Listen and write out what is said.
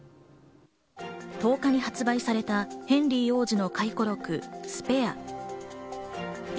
１０日に発売されたヘンリー王子の回顧録『ＳＰＡＲＥ』。